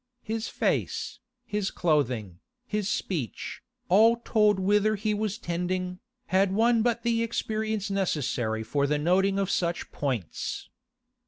His face, his clothing, his speech, all told whither he was tending, had one but the experience necessary for the noting of such points.